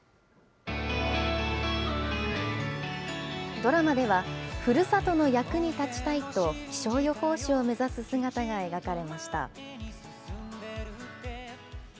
ドラマでは、ふるさとの役に立ちたいと、気象予報士を目指す姿が描かれました。